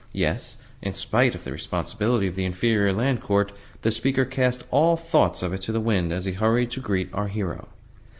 Yes, in spite of the responsibility of the Inferior Land Court, the speaker cast all thoughts of it to the winds as he hurried to greet our hero.